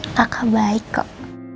kakak baik kok